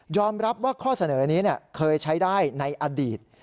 รับว่าข้อเสนอนี้เคยใช้ได้ในอดีต